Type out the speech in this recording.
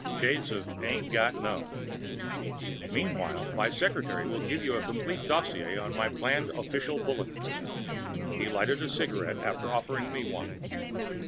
(Shades of "ain't got no!") "Meanwhile, my secretary will give you a complete dossier on my planned Official Bulletin." He lighted a cigarette after offering me one.